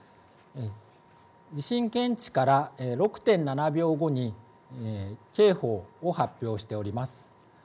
地震検知から６．７秒後に警報を発表しております。